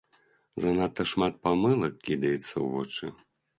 Занадта шмат памылак кідаецца ў вочы.